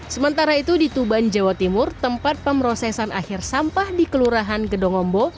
sementara itu di tuban jawa timur tempat pemrosesan akhir sampah di kelurahan gedongombo